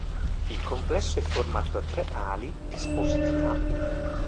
Il complesso è formato da tre ali disposti a "U".